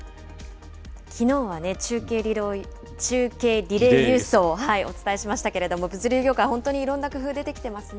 きのうはね、中継リレーニュースをお伝えしましたけれども、物流業界、本当にいろんな工夫出てきてますね。